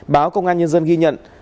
báo công an nhân dân ghi nhận